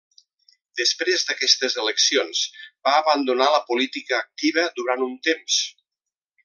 Després d'aquestes eleccions, va abandonar la política activa durant un temps.